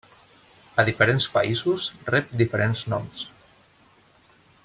A diferents països rep diferents noms.